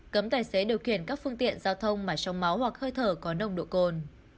cấm tài xế điều khiển các phương tiện giao thông mà trong máu hoặc hơi thở có nồng độ cồn